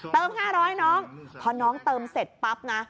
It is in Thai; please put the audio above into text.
๕๐๐น้องพอน้องเติมเสร็จปั๊บนะ